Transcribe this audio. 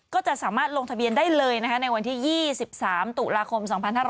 ก็จะสามารถลงทะเบียนได้เลยนะคะในวันที่๒๓ตุลาคม๒๕๕๙